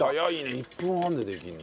１分半でできるんだ。